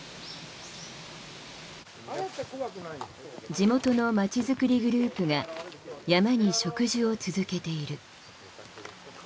地元の町づくりグループが山に植樹を続けている。